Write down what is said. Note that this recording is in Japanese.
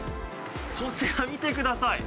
こちら見てください。